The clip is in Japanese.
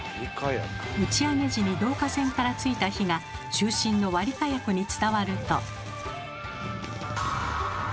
打ち上げ時に導火線からついた火が中心の割火薬に伝わると。